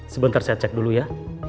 sebentar saya cek dulu ya